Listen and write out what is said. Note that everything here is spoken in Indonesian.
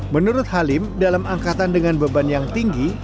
menurut halim dalam angkatan dengan beban yang tinggi